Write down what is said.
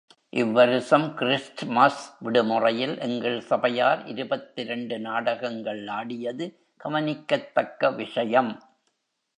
இவ்வருஷம் Christmas விடுமுறையில் எங்கள் சபையார் இருபத்திரண்டு நாடகங்கள் ஆடியது கவனிக்கத்தக்க விஷயம்.